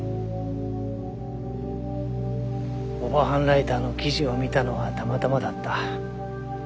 オバハンライターの記事を見たのはたまたまだった。